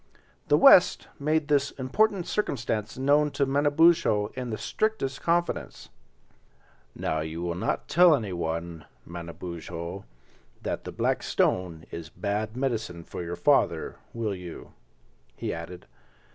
The West made this important circumstance known to Manabozho in the strictest confidence. "Now you will not tell anyone, Manabozho, that the black stone is bad medicine for your father, will you?" he added.